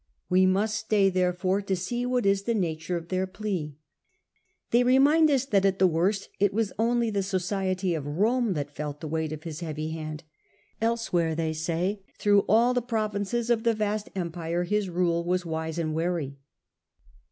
We must stay, therefore, to see what is the nature of their plea. They remind us that, at the worst, it was only the society of Rome that felt the weight of his heavy The pleas of hand. Elsewhere, they say, through all the l^ter critics ^,...,. in favour of provinces of the vast empire his rule was wise a new esti and wary.